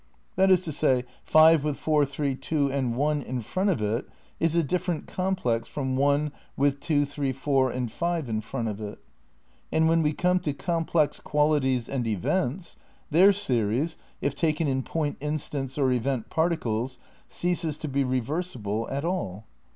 That is to say, 5 with 4,3,2, and 1 in front of it is a dif ferent complex from 1 with 2,3,4, and 5 in front of it. And when we come to complex qualities and events, their series, if taken in point instants or event par ticles, ceases to be reversible at all.